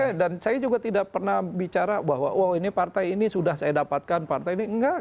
karena saya juga tidak pernah bicara bahwa wah ini partai ini sudah saya dapatkan partai ini enggak